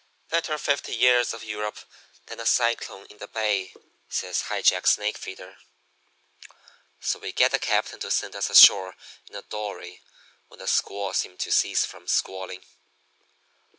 "'Better fifty years of Europe than a cyclone in the bay,' says High Jack Snakefeeder. So we get the captain to send us ashore in a dory when the squall seemed to cease from squalling.